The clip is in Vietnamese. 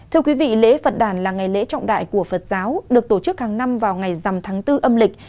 thưa quý vị lễ phật đàn là ngày lễ trọng đại của phật giáo được tổ chức hàng năm vào ngày dằm tháng bốn âm lịch